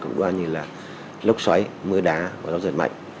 cổng đoan như là lốc xoáy mưa đá và gió giật mạnh